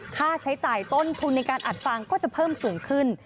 ค่าใช้จ่ายต้นทุนในการอัดฟางก็จะเพิ่มสูงขึ้น